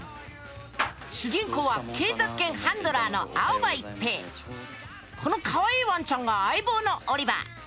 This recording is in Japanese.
主人公は警察犬ハンドラーのこのかわいいワンちゃんが相棒のオリバー。